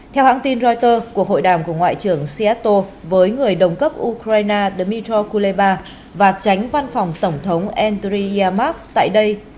theo hãng tin reuters cuộc hội đàm của ngoại trưởng siato với người đồng cấp ukraine dmytro kuleba và tránh văn phòng tổng thống andriy yamak tại đây